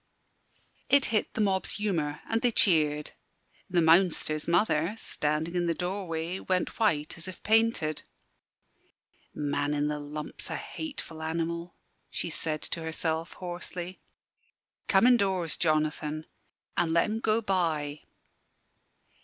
It hit the mob's humour, and they cheered. The Mounster's mother, standing in the doorway, went white as if painted. "Man in the lump's a hateful animal," she said to herself, hoarsely. "Come indoors, Jonathan, an' let 'em go by."